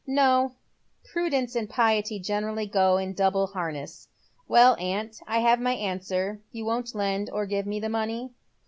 *' No, prudence and piety generally go in double harness. Well, aunt, I have my answer. You won't lend or give me the money